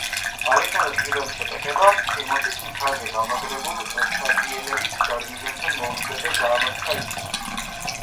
ალექსანდრეს პირველი შეტეკება, ჰემოსის მთაზე გამაგრებულ თრაკიელების გარნიზონთან მოუვიდა და დაამარცხა ისინი.